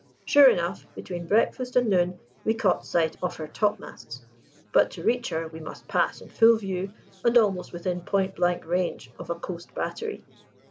Sure enough, between breakfast and noon we caught sight of her topmasts: but to reach her we must pass in full view and almost within point blank range of a coast battery.